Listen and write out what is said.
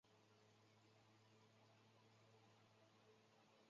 此山下即是现在的毕打街。